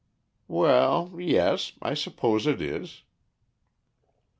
"Well yes. I suppose it is."